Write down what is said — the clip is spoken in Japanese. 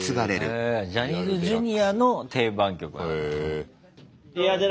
へえジャニーズＪｒ．の定番曲。